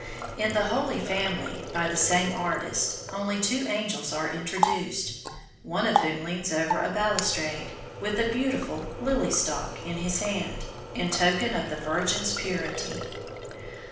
In the Holy Family, by the same artist, only two angels are introduced, one of whom leans over a balustrade, with a beautiful lily stalk in his hand, in token of the Virgin's purity.